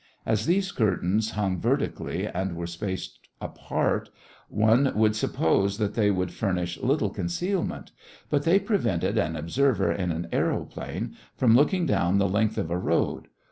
As these curtains hung vertically and were spaced apart, one would suppose that they would furnish little concealment, but they prevented an observer in an aëroplane from looking down the length of a road.